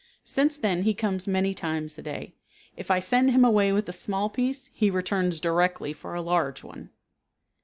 Since then he comes many times a day. If I send him away with a small piece he returns directly for a large one.